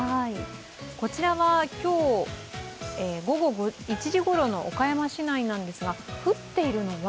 こちらは今日、午後１時ごろの岡山市内なんですが降っているのは？